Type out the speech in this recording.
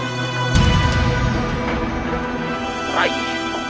rai berhenti rai